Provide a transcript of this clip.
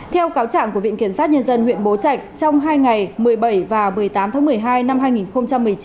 theo cáo trạng của viện kiểm sát nhân dân huyện bố trạch trong hai ngày một mươi bảy và một mươi tám tháng một mươi hai năm hai nghìn một mươi chín